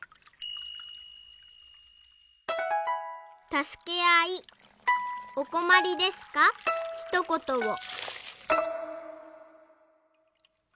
「たすけあいおこまりですかひとことを」。